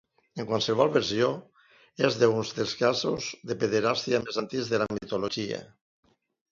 En qualsevol versió, és un dels casos de pederàstia més antics de la mitologia.